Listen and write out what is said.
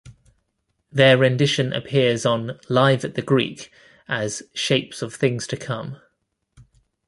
Their rendition appears on "Live at the Greek" as "Shapes of Things to Come".